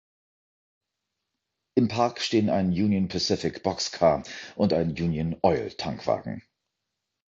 Im Park stehen ein Union-Pacific-Boxcar und ein Union-Oil-Tankwagen.